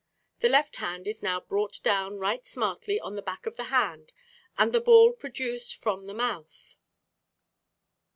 The left hand is now brought down right smartly on the back of the hand and the ball produced from the mouth.